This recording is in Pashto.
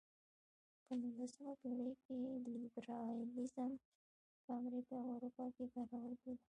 په نولسمه پېړۍ کې لېبرالیزم په امریکا او اروپا کې کارول کېده.